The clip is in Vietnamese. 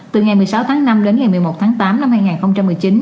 từ ngày một mươi sáu tháng năm đến ngày một mươi một tháng tám năm hai nghìn một mươi chín